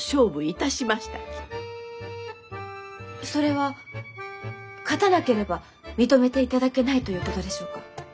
それは勝たなければ認めていただけないということでしょうか？